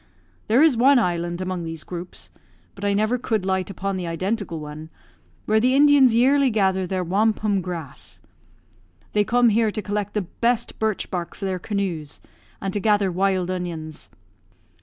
There is one island among these groups (but I never could light upon the identical one) where the Indians yearly gather their wampum grass. They come here to collect the best birch bark for their canoes, and to gather wild onions.